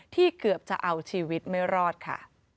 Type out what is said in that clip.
เกือบจะเอาชีวิตไม่รอดค่ะ